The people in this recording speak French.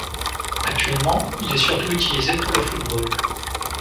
Actuellement, il est surtout utilisé pour le football.